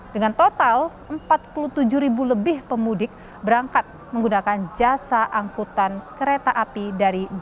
dengan total empat puluh tujuh ribu lebih pemudik berangkat menggunakan jasa angkutan kereta api dari jakarta